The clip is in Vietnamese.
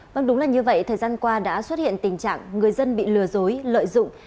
vâng đúng là như vậy thời gian qua đã xuất hiện tình trạng người dân bị lừa dối lợi dụng